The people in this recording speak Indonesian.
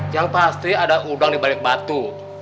yang pasti ada udang dibalik batu